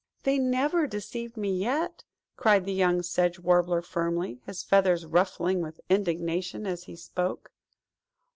"They never deceived me yet!" cried the young Sedge Warbler firmly, his feathers ruffling with indignation as he spoke.